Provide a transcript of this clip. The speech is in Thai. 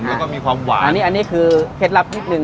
แล้วก็มีความหวานอันนี้อันนี้คือเคล็ดลับนิดนึ